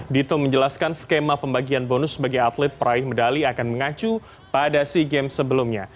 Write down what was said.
dito menjelaskan skema pembagian bonus bagi atlet peraih medali akan mengacu pada sea games sebelumnya